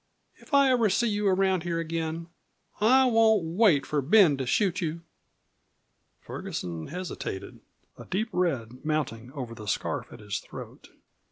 If I ever see you around here again I won't wait for Ben to shoot you!" Ferguson hesitated, a deep red mounting over the scarf at his throat.